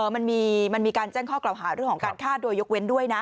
มันมีการแจ้งข้อกล่าวหาเรื่องของการฆ่าโดยยกเว้นด้วยนะ